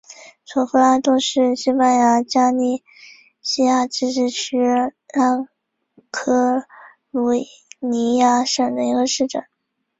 索夫拉多是西班牙加利西亚自治区拉科鲁尼亚省的一个市镇。